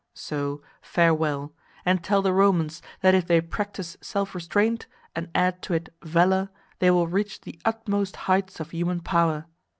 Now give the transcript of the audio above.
So farewell, and tell the Romans that if they practise self restraint, and add to it valour, they will reach the utmost heights of human power.